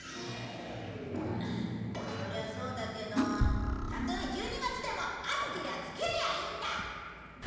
そりゃそうだけどたとえ１２月でも暑けりゃつけりゃいいんだ！